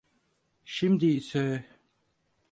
Şimdi ise…